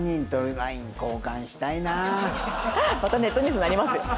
またネットニュースなりますよ。